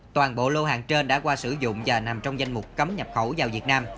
toàn bộ lô hàng trên đã qua sử dụng và nằm trong danh mục cấm nhập khẩu vào việt nam